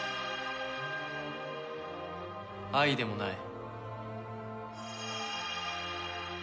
愛でもない。